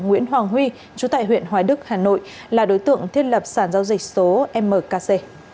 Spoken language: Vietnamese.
nguyễn hoàng huy chú tại huyện hoài đức hà nội là đối tượng thiết lập sản giao dịch số mkc